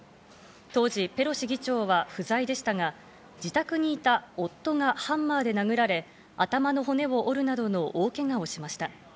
当時ペロシ議長は不在でしたが、自宅にいた夫はハンマーで殴られ、頭の骨を折るなどの大けがをしました。